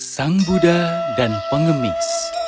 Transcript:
sang buddha dan pengemis